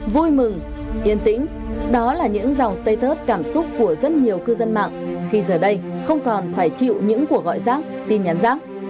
vui mừng yên tĩnh đó là những dòng status cảm xúc của rất nhiều cư dân mạng khi giờ đây không còn phải chịu những cuộc gọi rác tin nhắn rác